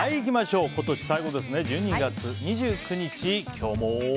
今年最後、１２月２９日。